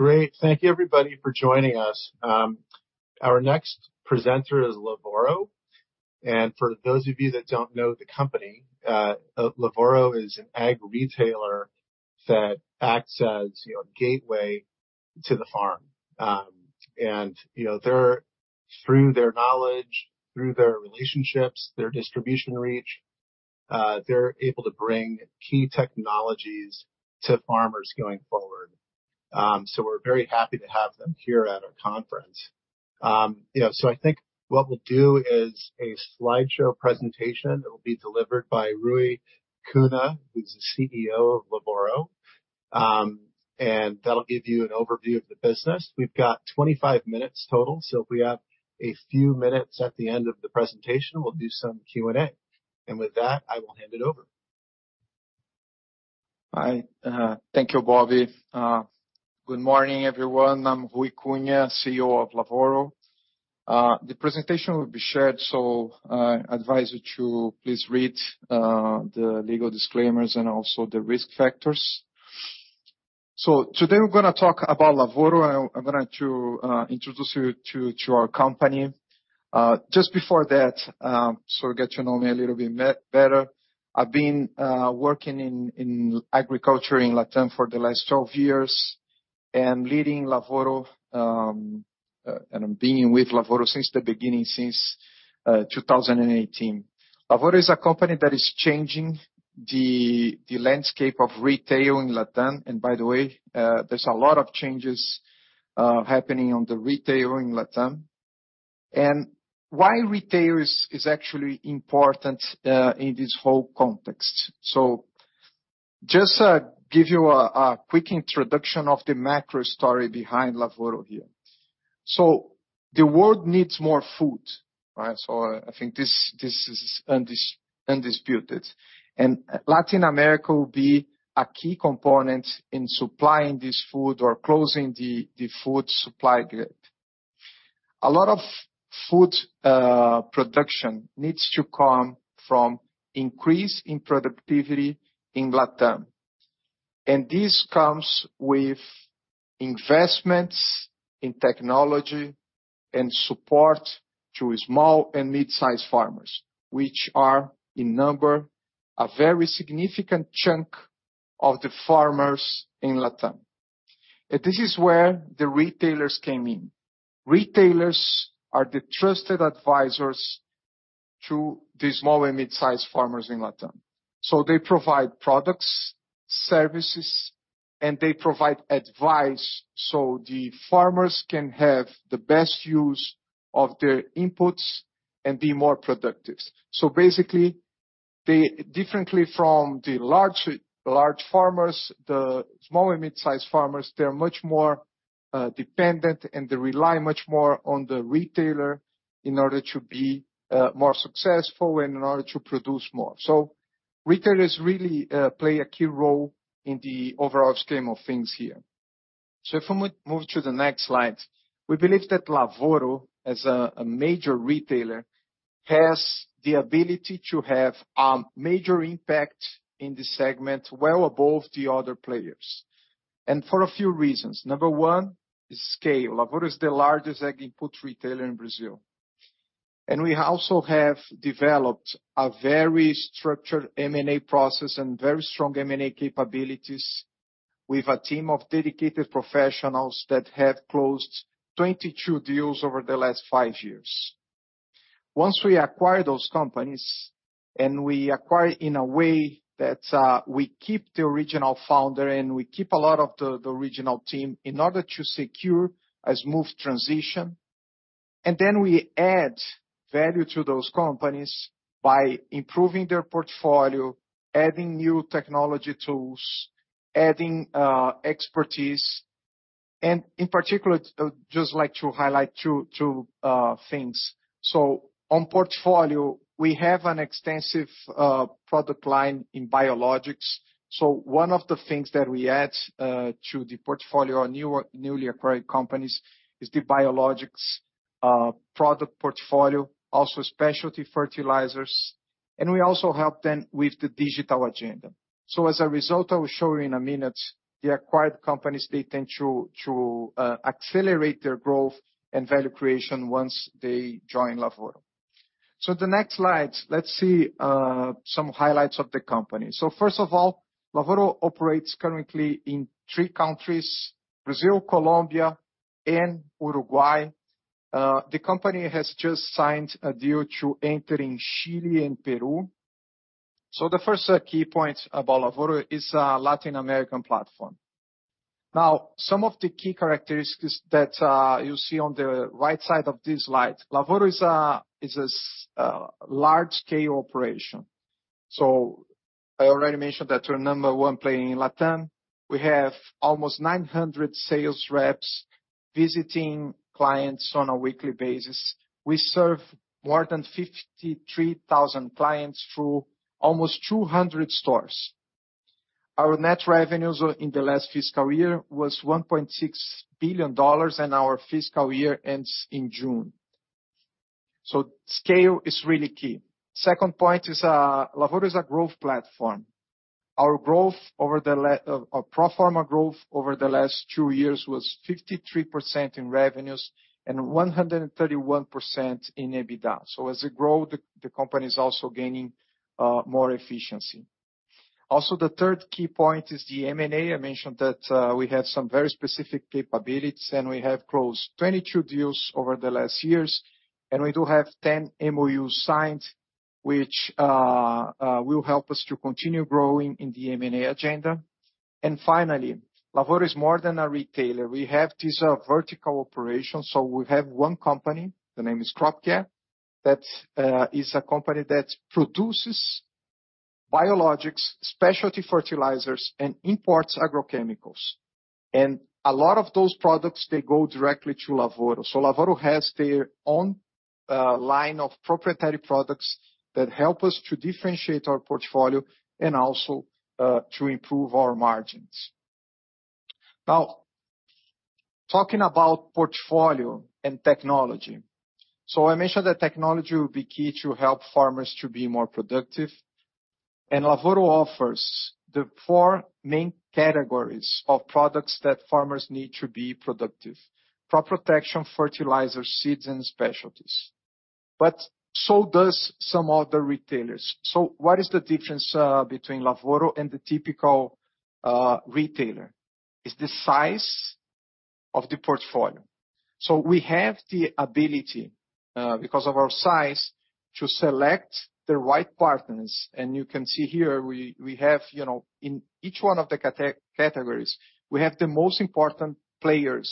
Great. Thank you everybody for joining us. Our next presenter is Lavoro. For those of you that don't know the company, Lavoro is an ag retailer that acts as, you know, a gateway to the farm. You know, through their knowledge, through their relationships, their distribution reach, they're able to bring key technologies to farmers going forward. We're very happy to have them here at our conference. Yeah. I think what we'll do is a slideshow presentation that will be delivered by Ruy Cunha, who's the CEO of Lavoro, and that'll give you an overview of the business. We've got 25 minutes total, so if we have a few minutes at the end of the presentation, we'll do some Q&A. With that, I will hand it over. Hi. Thank you, Bobby. Good morning, everyone. I'm Ruy Cunha, CEO of Lavoro. The presentation will be shared. I advise you to please read the legal disclaimers and also the risk factors. Today we're gonna talk about Lavoro, and I'm gonna to introduce you to our company. Just before that, get to know me a little bit better. I've been working in agriculture in Latam for the last 12 years and leading Lavoro, and I'm being with Lavoro since the beginning, since 2018. Lavoro is a company that is changing the landscape of retail in Latam. By the way, there's a lot of changes happening on the retail in Latam. Why retail is actually important in this whole context. Just to give you a quick introduction of the macro story behind Lavoro here. The world needs more food, right? I think this is undisputed. Latin America will be a key component in supplying this food or closing the food supply gap. A lot of food production needs to come from increase in productivity in Latam. This comes with investments in technology and support to small and mid-sized farmers, which are in number, a very significant chunk of the farmers in Latam. This is where the retailers came in. Retailers are the trusted advisors to the small and mid-sized farmers in Latam. They provide products, services, and they provide advice so the farmers can have the best use of their inputs and be more productive. Differently from the large farmers, the small and mid-sized farmers, they're much more dependent, and they rely much more on the retailer in order to be more successful and in order to produce more. Retailers really play a key role in the overall scheme of things here. If I move to the next slide. We believe that Lavoro, as a major retailer, has the ability to have a major impact in this segment, well above the other players, and for a few reasons. Number one is scale. Lavoro is the largest ag input retailer in Brazil. We also have developed a very structured M&A process and very strong M&A capabilities with a team of dedicated professionals that have closed 22 deals over the last five years. riginal founder and we keep a lot of the original team in order to secure a smooth transition. Then we add value to those companies by improving their portfolio, adding new technology tools, adding expertise. In particular, I'd just like to highlight two things. On portfolio, we have an extensive product line in biologics. One of the things that we add to the portfolio of newly acquired companies is the biologics product portfolio, also specialty fertilizers, and we also help them with the digital agenda. As a result, I will show you in a minute, the acquired companies, they tend to accelerate their growth and value creation once they join Lavoro. The next slide, let's see some highlights of the company. First of all, Lavoro operates currently in 3 countries, Brazil, Colombia, and Uruguay. The company has just signed a deal to enter in Chile and Peru. The first key point about Lavoro is a Latin American platform. Now, some of the key characteristics that you see on the right side of this slide. Lavoro is a large scale operation. I already mentioned that we're number one player in Latam. We have almost 900 sales reps visiting clients on a weekly basis. We serve more than 53,000 clients through almost 200 stores. Our net revenues in the last fiscal year was $1.6 billion, and our fiscal year ends in June. Scale is really key. Second point is, Lavoro is a growth platform. Our pro forma growth over the last 2 years was 53% in revenues and 131% in EBITDA. As we grow, the company is also gaining more efficiency. The third key point is the M&A. I mentioned that we have some very specific capabilities, and we have closed 22 deals over the last years, and we do have 10 MOUs signed, which will help us to continue growing in the M&A agenda. Finally, Lavoro is more than a retailer. We have this vertical operation. We have 1 company, the name is Crop Care. That is a company that produces biologics, specialty fertilizers, and imports agrochemicals. A lot of those products, they go directly to Lavoro. Lavoro has their own line of proprietary products that help us to differentiate our portfolio and also to improve our margins. Now, talking about portfolio and technology. I mentioned that technology will be key to help farmers to be more productive. Lavoro offers the four main categories of products that farmers need to be productive: crop protection, fertilizers, seeds, and specialties. So does some other retailers. What is the difference between Lavoro and the typical retailer? Is the size of the portfolio. We have the ability, because of our size, to select the right partners. You can see here we have, you know, in each one of the categories, we have the most important players,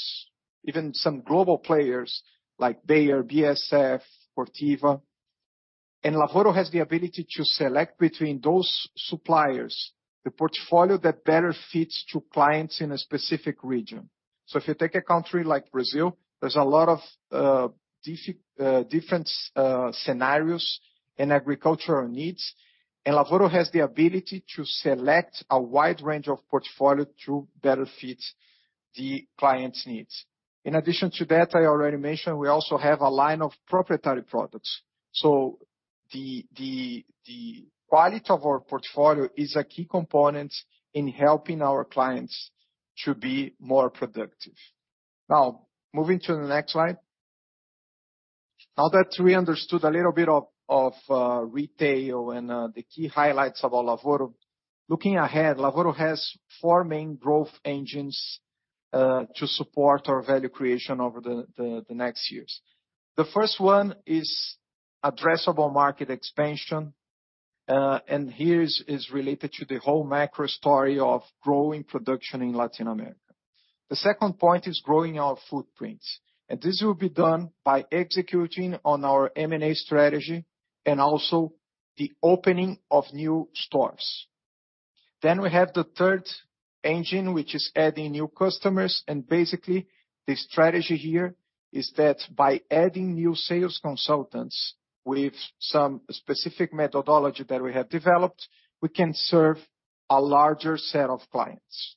even some global players like Bayer, BASF, Corteva. Lavoro has the ability to select between those suppliers the portfolio that better fits to clients in a specific region. If you take a country like Brazil, there's a lot of different scenarios and agricultural needs, Lavoro has the ability to select a wide range of portfolio to better fit the client's needs. In addition to that, I already mentioned we also have a line of proprietary products. The quality of our portfolio is a key component in helping our clients to be more productive. Moving to the next slide. That we understood a little bit of retail and the key highlights about Lavoro, looking ahead, Lavoro has four main growth engines to support our value creation over the next years. The first one is addressable market expansion, and here is related to the whole macro story of growing production in Latin America. The second point is growing our footprints, and this will be done by executing on our M&A strategy and also the opening of new stores. We have the third engine, which is adding new customers. Basically, the strategy here is that by adding new sales consultants with some specific methodology that we have developed, we can serve a larger set of clients.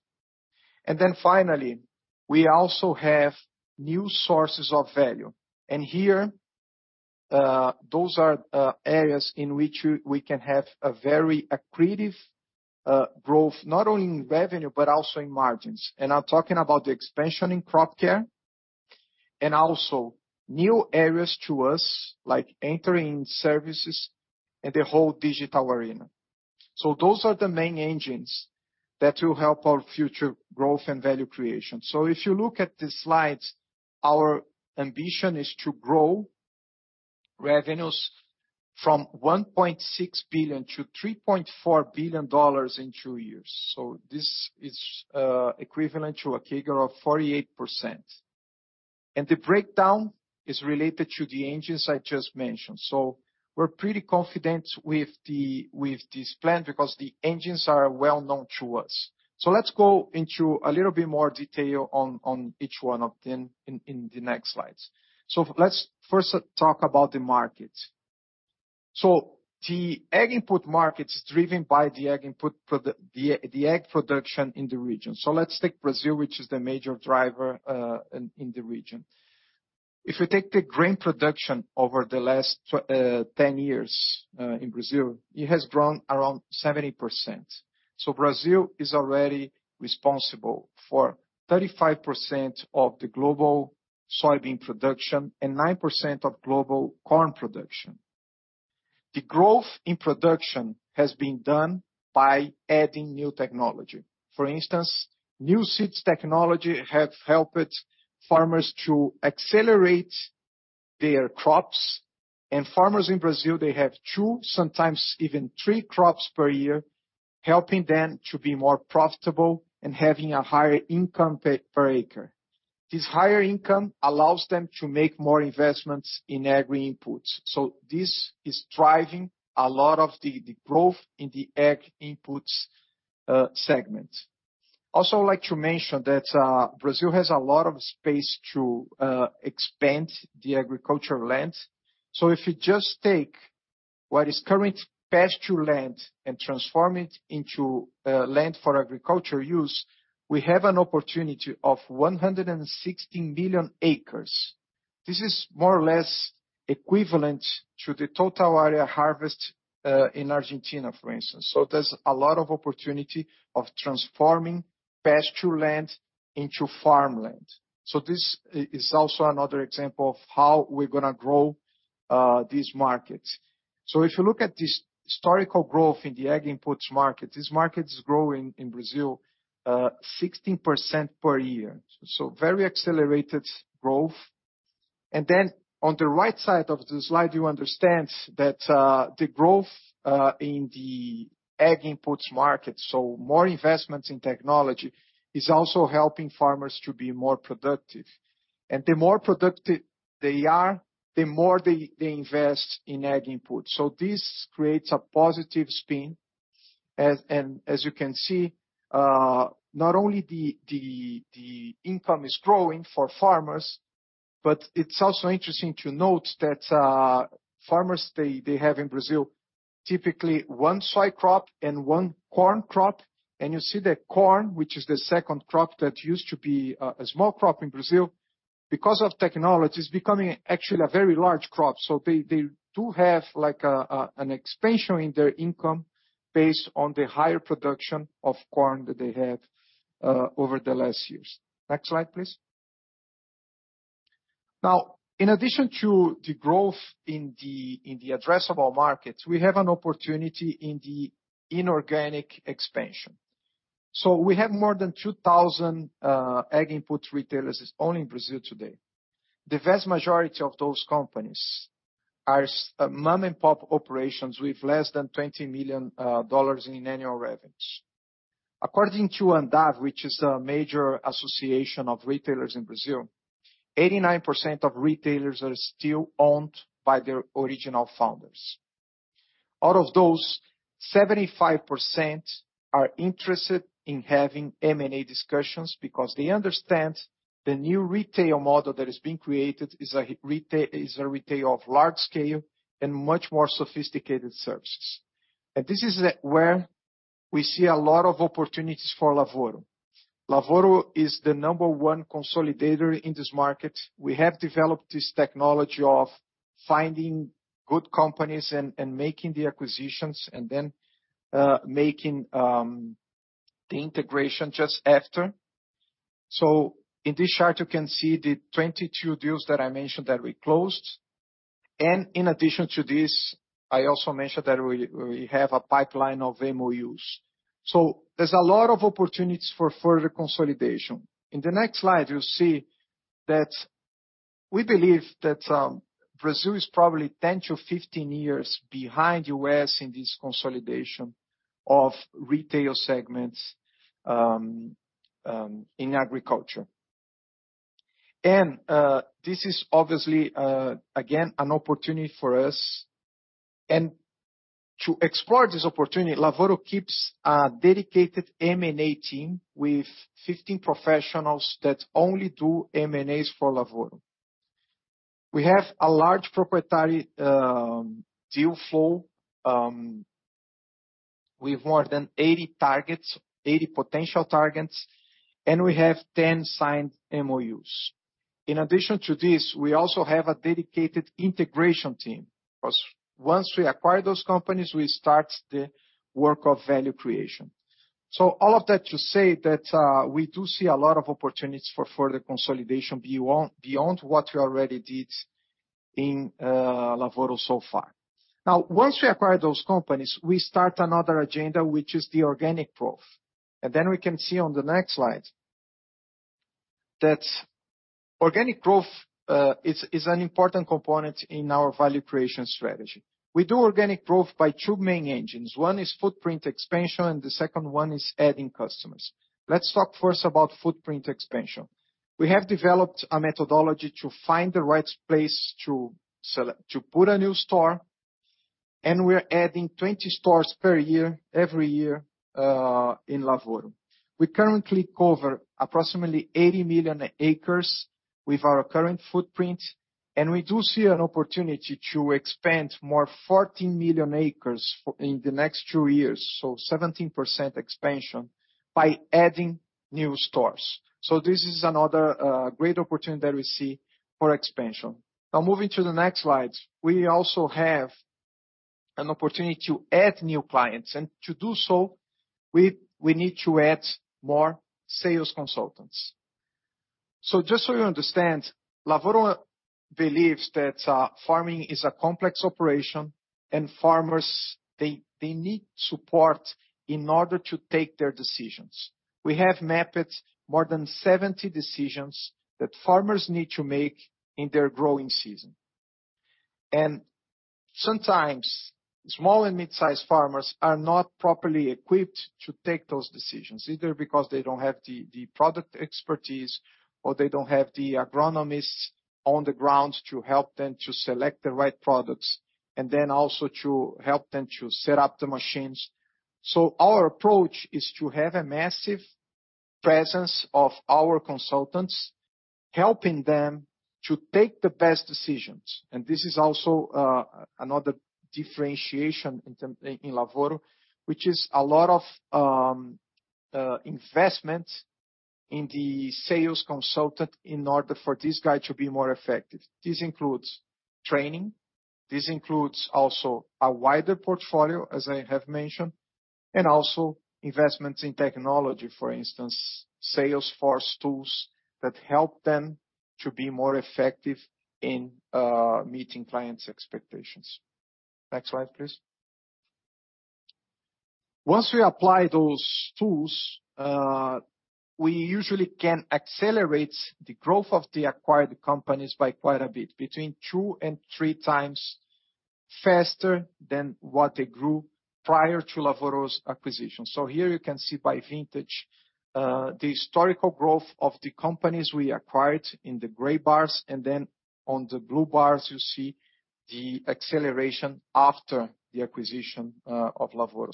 Finally, we also have new sources of value. Here, those are areas in which we can have a very accretive growth, not only in revenue, but also in margins. I'm talking about the expansion in Crop Care and also new areas to us, like entering services and the whole digital arena. Those are the main engines that will help our future growth and value creation. If you look at the slides, our ambition is to grow revenues from $1.6 billion to $3.4 billion in two years. This is equivalent to a CAGR of 48%. The breakdown is related to the engines I just mentioned. We're pretty confident with this plan because the engines are well-known to us. Let's go into a little bit more detail on each one of them in the next slides. Let's first talk about the market. The ag input market is driven by the ag production in the region. Let's take Brazil, which is the major driver in the region. If you take the grain production over the last 10 years in Brazil, it has grown around 70%. Brazil is already responsible for 35% of the global soybean production and 9% of global corn production. The growth in production has been done by adding new technology. For instance, new seeds technology have helped farmers to accelerate their crops. Farmers in Brazil, they have 2, sometimes even 3 crops per year, helping them to be more profitable and having a higher income per acre. This higher income allows them to make more investments in agri inputs. This is driving a lot of the growth in the ag inputs segment. Also like to mention that Brazil has a lot of space to expand the agricultural land. If you just take what is current pasture land and transform it into land for agriculture use, we have an opportunity of 116 million acres. This is more or less equivalent to the total area harvest in Argentina, for instance. There's a lot of opportunity of transforming pasture land into farmland. This is also another example of how we're gonna grow these markets. If you look at this historical growth in the ag inputs market, this market is growing in Brazil, 16% per year. Very accelerated growth. On the right side of the slide, you understand that the growth in the ag inputs market so more investments in technology is also helping farmers to be more productive. The more productive they are, the more they invest in ag inputs. This creates a positive spin, as, and as you can see, not only the income is growing for farmers, but it's also interesting to note that farmers, they have in Brazil, typically one soy crop and one corn crop. You see the corn, which is the second crop that used to be a small crop in Brazil, because of technology, is becoming actually a very large crop. They, they do have like an expansion in their income based on the higher production of corn that they had over the last years. Next slide, please. In addition to the growth in the addressable markets, we have an opportunity in the inorganic expansion. We have more than 2,000 ag input retailers just only in Brazil today. The vast majority of those companies are mom-and-pop operations with less than $20 million in annual revenues. According to ANDAV, which is a major association of retailers in Brazil, 89% of retailers are still owned by their original founders. Out of those, 75% are interested in having M&A discussions because they understand the new retail model that is being created is a retail of large scale and much more sophisticated services. This is where we see a lot of opportunities for Lavoro. Lavoro is the number 1 consolidator in this market. We have developed this technology of finding good companies and making the acquisitions and then making the integration just after. In this chart, you can see the 22 deals that I mentioned that we closed. In addition to this, I also mentioned that we have a pipeline of MOUs. There's a lot of opportunities for further consolidation. In the next slide, you'll see that we believe that Brazil is probably 10-15 years behind U.S. in this consolidation of retail segments in agriculture. This is obviously again an opportunity for us. To explore this opportunity, Lavoro keeps a dedicated M&A team with 15 professionals that only do M&As for Lavoro. We have a large proprietary deal flow with more than 80 targets, 80 potential targets, and we have 10 signed MOUs. In addition to this, we also have a dedicated integration team, 'cause once we acquire those companies, we start the work of value creation. All of that to say that, we do see a lot of opportunities for further consolidation beyond what we already did in Lavoro so far. Once we acquire those companies, we start another agenda, which is the organic growth. We can see on the next slide that organic growth is an important component in our value creation strategy. We do organic growth by two main engines. One is footprint expansion, and the second one is adding customers. Let's talk first about footprint expansion. We have developed a methodology to find the right place to put a new store, and we are adding 20 stores per year, every year, in Lavoro. We currently cover approximately 80 million acres with our current footprint, and we do see an opportunity to expand more 14 million acres in the next 2 years, so 17% expansion, by adding new stores. This is another great opportunity that we see for expansion. Now moving to the next slide. We also have an opportunity to add new clients, and to do so, we need to add more sales consultants. Just so you understand, Lavoro believes that farming is a complex operation, and farmers, they need support in order to take their decisions. We have mapped more than 70 decisions that farmers need to make in their growing season. Sometimes small and midsize farmers are not properly equipped to take those decisions, either because they don't have the product expertise or they don't have the agronomists on the ground to help them to select the right products, and then also to help them to set up the machines. Our approach is to have a massive presence of our consultants helping them to take the best decisions. This is also another differentiation in Lavoro, which is a lot of investment in the sales consultant in order for this guy to be more effective. This includes training, this includes also a wider portfolio, as I have mentioned, and also investments in technology, for instance, sales force tools that help them to be more effective in meeting clients' expectations. Next slide, please. Once we apply those tools, we usually can accelerate the growth of the acquired companies by quite a bit, between 2 and 3 times faster than what they grew prior to Lavoro's acquisition. Here you can see by vintage, the historical growth of the companies we acquired in the gray bars, and then on the blue bars, you see the acceleration after the acquisition of Lavoro.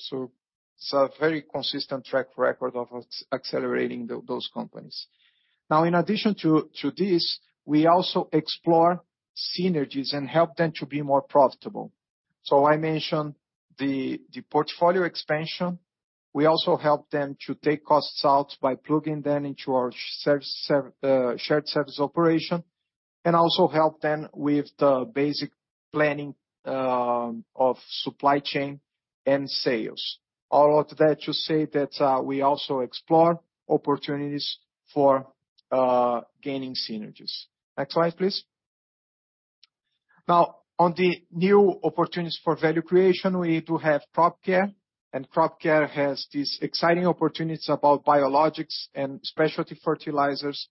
It's a very consistent track record of accelerating those companies. In addition to this, we also explore synergies and help them to be more profitable. I mentioned the portfolio expansion. We also help them to take costs out by plugging them into our shared service operation, and also help them with the basic planning of supply chain and sales. All of that to say that we also explore opportunities for gaining synergies. Next slide, please. On the new opportunities for value creation, we do have Crop Care. Crop Care has these exciting opportunities about biologics and specialty fertilizers,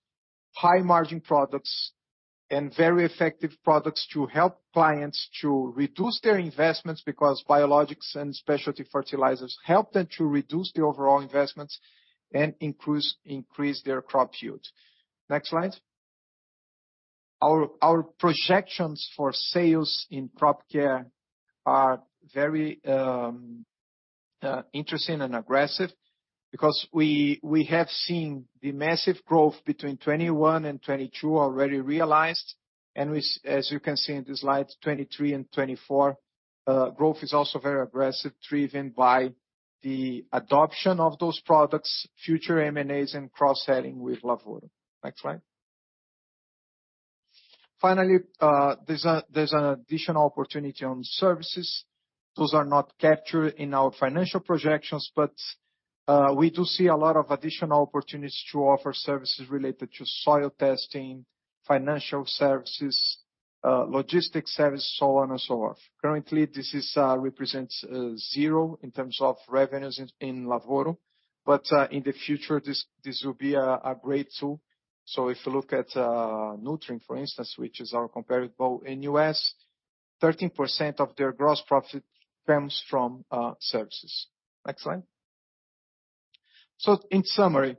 high margin products and very effective products to help clients to reduce their investments because biologics and specialty fertilizers help them to reduce the overall investments and increase their crop yield. Next slide. Our projections for sales in Crop Care are very interesting and aggressive because we have seen the massive growth between 21 and 22 already realized. As you can see in the slide, 23 and 24 growth is also very aggressive, driven by the adoption of those products, future M&As and cross-selling with Lavoro. Next slide. Finally, there's an additional opportunity on services. Those are not captured in our financial projections, we do see a lot of additional opportunities to offer services related to soil testing, financial services, logistics services, so on and so forth. Currently, this represents 0 in terms of revenues in Lavoro. In the future, this will be a great tool. If you look at Nutrien, for instance, which is our comparable in U.S., 13% of their gross profit comes from services. Next slide. In summary,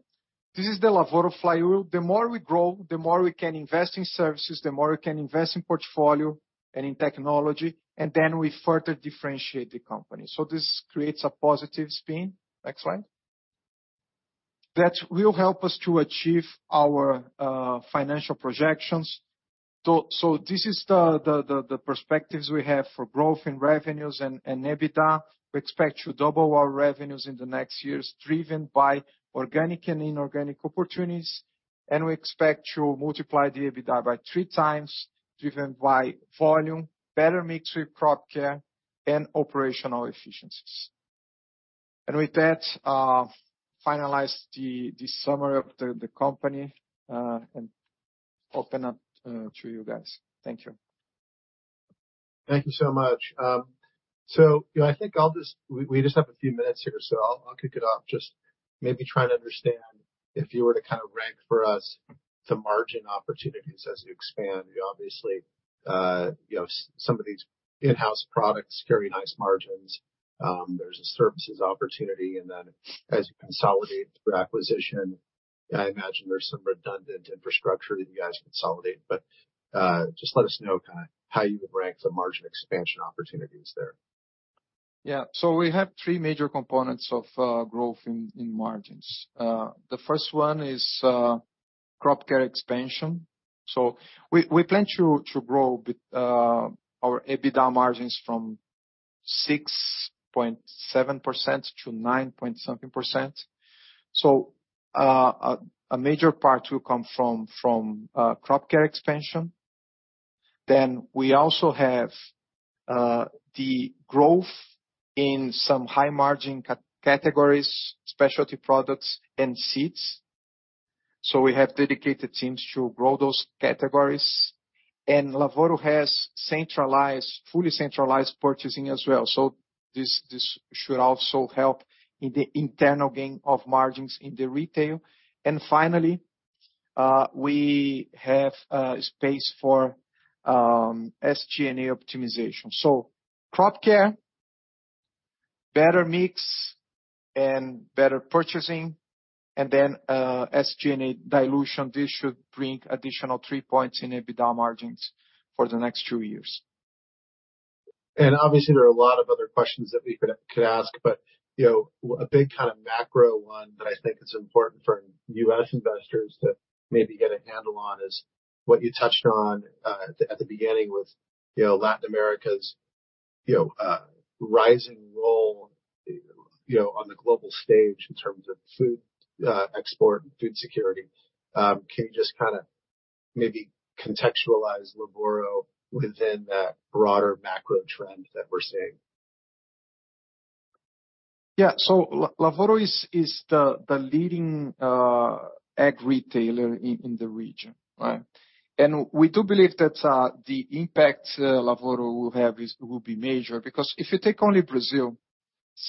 this is the Lavoro flywheel. The more we grow, the more we can invest in services, the more we can invest in portfolio and in technology, we further differentiate the company. This creates a positive spin. Next slide. That will help us to achieve our financial projections. This is the perspectives we have for growth in revenues and EBITDA. We expect to double our revenues in the next years, driven by organic and inorganic opportunities. We expect to multiply the EBITDA by 3 times, driven by volume, better mix with Crop Care, and operational efficiencies. With that, finalize the summary of the company and open up to you guys. Thank you. Thank you so much. You know, I think I'll just. We just have a few minutes here, so I'll kick it off. Just maybe trying to understand if you were to kind of rank for us the margin opportunities as you expand. You obviously, you know, some of these in-house products carry nice margins. There's a services opportunity and then as you consolidate through acquisition, I imagine there's some redundant infrastructure that you guys consolidate. Just let us know kinda how you would rank the margin expansion opportunities there. Yeah. We have three major components of growth in margins. The first one is Crop Care expansion. We plan to grow with our EBITDA margins from 6.7%-9. Something%. A major part will come from Crop Care expansion. We also have the growth in some high-margin categories, specialty products and seeds. We have dedicated teams to grow those categories. Lavoro has centralized, fully centralized purchasing as well. This should also help in the internal gain of margins in the retail. Finally, we have space for SG&A optimization. Crop Care, better mix and better purchasing, SG&A dilution. This should bring additional 3 points in EBITDA margins for the next 2 years. Obviously there are a lot of other questions that we could ask, but, you know, a big kind of macro one that I think is important for U.S. investors to maybe get a handle on is what you touched on, at the beginning with, you know, Latin America's, you know, rising role, you know, on the global stage in terms of food, export and food security. Can you just kinda maybe contextualize Lavoro within that broader macro trend that we're seeing? Yeah. Lavoro is the leading ag retailer in the region, right? We do believe that the impact Lavoro will have will be major. If you take only Brazil,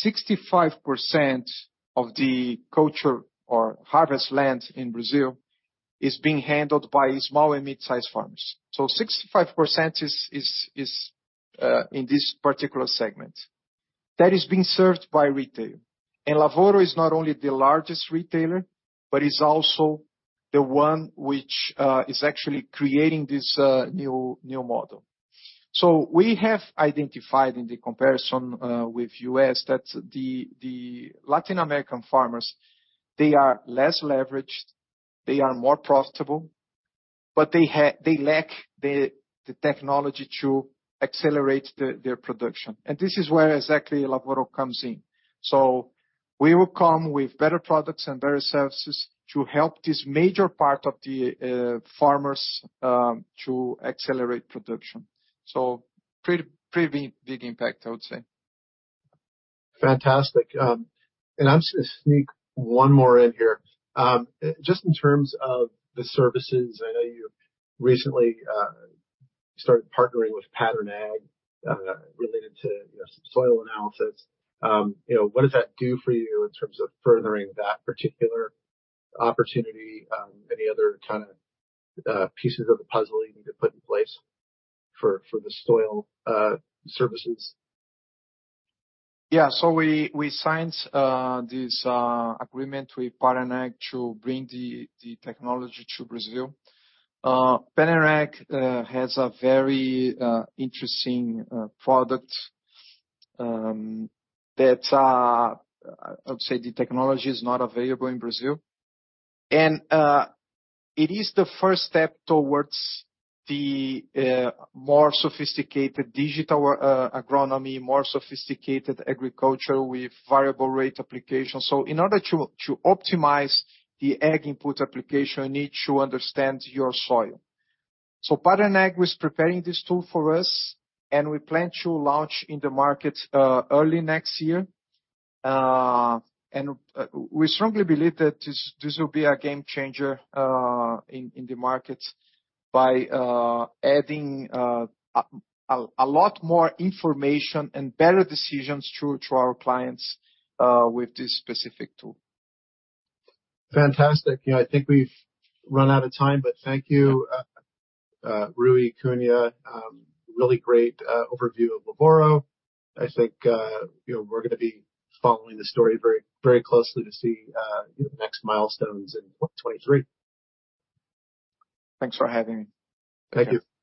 65% of the culture or harvest land in Brazil is being handled by small and mid-sized farmers. 65% is in this particular segment that is being served by retail. Lavoro is not only the largest retailer, but is also the one which is actually creating this new model. We have identified in the comparison with U.S., that the Latin American farmers, they are less leveraged, they are more profitable, but they lack the technology to accelerate their production. This is where exactly Lavoro comes in. We will come with better products and better services to help this major part of the farmers to accelerate production. Pretty big impact, I would say. Fantastic. I'm just gonna sneak one more in here. Just in terms of the services, I know you've recently started partnering with Pattern Ag, related to, you know, some soil analysis. You know, what does that do for you in terms of furthering that particular opportunity? Any other kinda pieces of the puzzle you need to put in place for the soil services? Yeah. We signed this agreement with Pattern Ag to bring the technology to Brazil. Pattern Ag has a very interesting product that I would say the technology is not available in Brazil. It is the first step towards the more sophisticated digital agronomy, more sophisticated agriculture with variable rate application. In order to optimize the ag input application, you need to understand your soil. Pattern Ag was preparing this tool for us, and we plan to launch in the market early next year. We strongly believe that this will be a game-changer in the market by adding a lot more information and better decisions to our clients with this specific tool. Fantastic. You know, I think we've run out of time, but thank you, Ruy Cunha. Really great overview of Lavoro. I think, you know, we're gonna be following the story very, very closely to see the next milestones in 2023. Thanks for having me. Thank you.